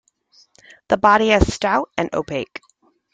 The body is stout and opaque.